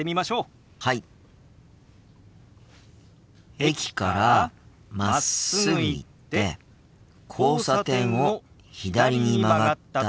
駅からまっすぐ行って交差点を左に曲がったところだよ。